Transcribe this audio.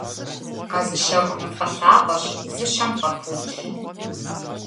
Къэзыщэхум фӀэлъапӀэщ, зыщэм фӀэпудщ.